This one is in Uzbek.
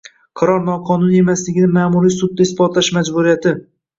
Qaror noqonuniy emasligini ma’muriy sudda isbotlash majburiyati